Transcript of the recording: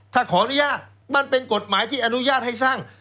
ถ้าขออนุญาตมันเป็นกฎหมายที่อนุญาตให้สร้าง